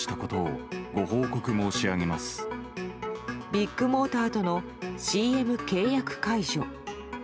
ビッグモーターとのＣＭ契約解除。